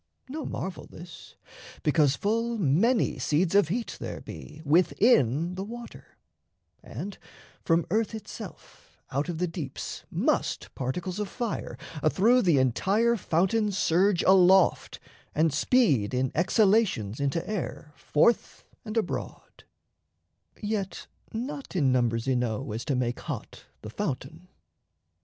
No marvel, this: Because full many seeds of heat there be Within the water; and, from earth itself Out of the deeps must particles of fire Athrough the entire fountain surge aloft, And speed in exhalations into air Forth and abroad (yet not in numbers enow As to make hot the fountain).